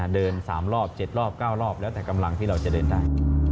เดิน๓รอบ๗รอบ๙รอบแล้วแต่กำลังที่เราจะเดินได้